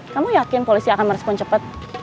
kamu yakin polisi akan merespon cepat